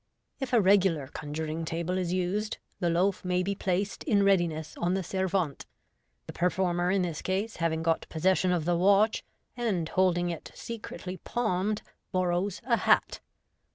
If a regular conjuring table is used, the loaf may be placed is readiness on the servante. The performer in this case, having got possession of the watch, and holding it secretly palmed, borrows a hat.